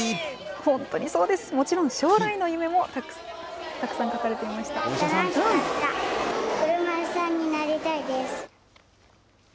本当にそうです、もちろん将来の夢もたくさん書かれていました。